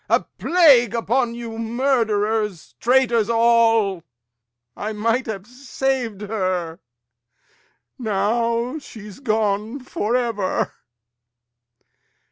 Lear. A plague upon you, murderers, traitors all! I might have sav'd her; now she's gone for ever!